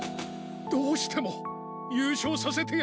どうしてもゆうしょうさせてやりたくて。